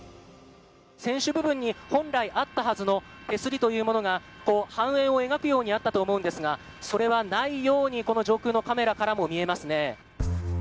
船首部分に本来あったはずの手すりというものが半円を描くようにあったと思うんですがそれは、ないようにこの上空のカメラからも見えますね。